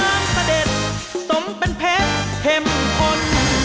น้ำน้ำเสด็จสมเป็นเพชรเห็มพล